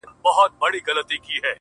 راسه د زړه د سکون غيږي ته مي ځان وسپاره,